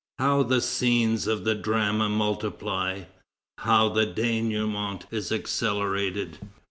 How the scenes of the drama multiply! How the dénouement is accelerated!